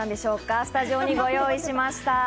スタジオに用意しました。